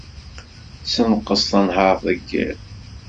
Senqes tanhart deg yiḍ.